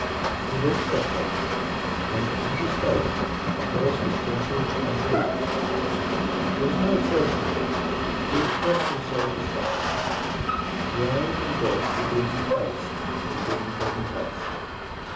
He walked softly, and as he spoke his voice was gentle and pleasing. There was no assertion in it, but it was perfectly self respecting. The eyes and voice redeemed the face from being commonplace.